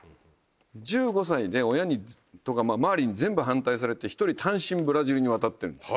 １５歳で親とか周りに全部反対されて１人単身ブラジルに渡ってるんです。